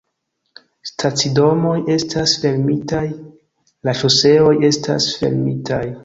Stacidomoj estas fermitaj, la ŝoseoj estas fermitaj